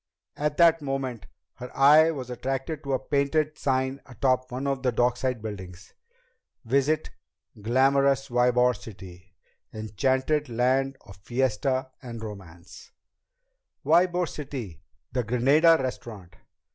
At that moment her eye was attracted to a painted sign atop one of the dockside buildings: VISIT GLAMOROUS YBOR CITY Enchanted Land of Fiesta and Romance Ybor City! The Granada Restaurant!